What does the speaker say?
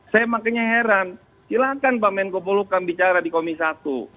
saya makanya heran silahkan pak menko polukam bicara di komisi satu